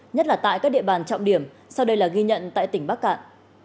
nhất là tại các địa bàn trọng điểm sau đây là ghi nhận tại tỉnh bắc cạn